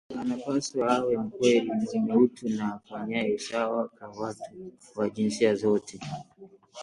Anapaswa awe mkweli, mwenye utu na afanyaye usawa kwa watu wa jinsia zote